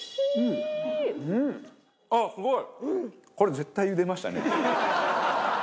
あっすごい！